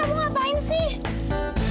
rizki aku ngapain sih